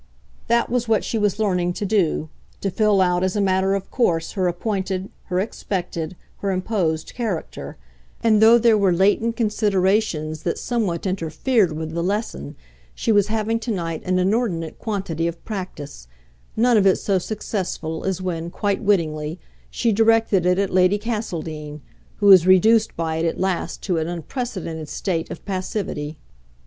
That was what she was learning to do, to fill out as a matter of course her appointed, her expected, her imposed character; and, though there were latent considerations that somewhat interfered with the lesson, she was having to night an inordinate quantity of practice, none of it so successful as when, quite wittingly, she directed it at Lady Castledean, who was reduced by it at last to an unprecedented state of passivity.